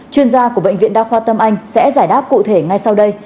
chuyên gia của bệnh viện đa khoa tâm anh sẽ giải đáp cụ thể ngay sau đây